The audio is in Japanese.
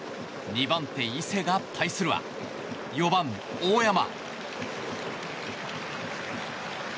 ２番手、伊勢が対するは４番、大山。